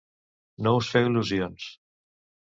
No us feu il·lusions.